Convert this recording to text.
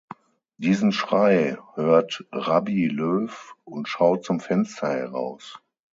Diesen Schrei hört Rabbi Löw und schaut zum Fenster heraus.